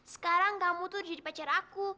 sekarang kamu tuh jadi pacar aku